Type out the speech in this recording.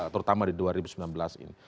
terutama di dua ribu sembilan belas ini